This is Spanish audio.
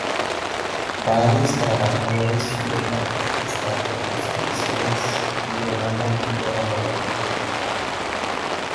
Varios trabajadores suben para protestar por las condiciones y demandan ver a Negan.